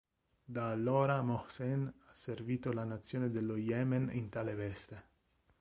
Da allora Mohsen ha servito la nazione dello Yemen in tale veste.